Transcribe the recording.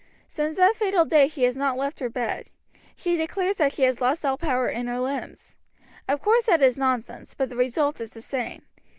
"Since that fatal day she has not left her bed. She declares that she has lost all power in her limbs. Of course that is nonsense, but the result is the same.